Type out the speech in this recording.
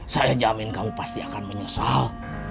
saya jamin kamu pasti akan menyesal